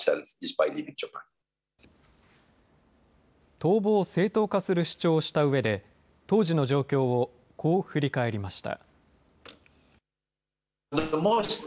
逃亡を正当化する主張をしたうえで、当時の状況をこう振り返りました。